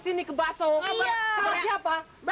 ini jeban sepuluh ribu